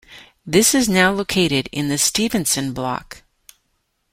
This is now located in the Stephenson Block.